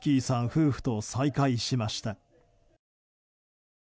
夫婦と再会しました。